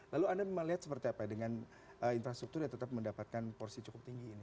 lalu anda memang lihat seperti apa ya dengan infrastruktur ya tetap mendapatkan porsi cukup tinggi ini